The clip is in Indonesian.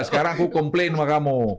sekarang aku komplain sama kamu